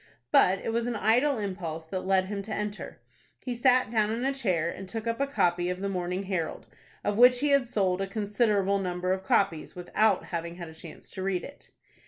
But it was an idle impulse that led him to enter. He sat down in a chair, and took up a copy of the "Morning Herald," of which he had sold a considerable number of copies, without having had a chance to read it.